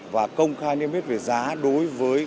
và công khai niêm yết về giá đối với